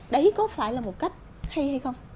đấy có phải là một cách hay hay không